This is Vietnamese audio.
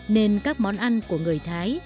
nên các món ăn của người thái